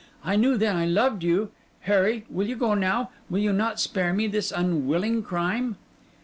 I knew then I loved you—Harry, will you go now? Will you not spare me this unwilling crime?